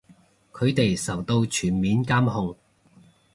佢哋受到全面監控